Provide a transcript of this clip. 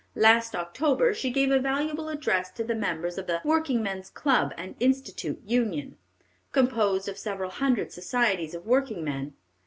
Last October she gave a valuable address to the members of the "Workingmen's Club and Institute Union," composed of several hundred societies of workingmen.